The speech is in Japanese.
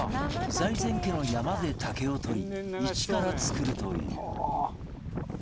財前家の山で竹を採り一から作るという